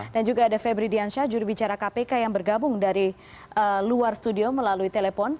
dan juga ada febri diansyah jurubicara kpk yang bergabung dari luar studio melalui telepon